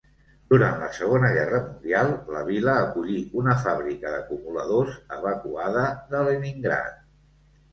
Durant la Segona Guerra Mundial la vila acollí una fàbrica d'acumuladors evacuada de Leningrad.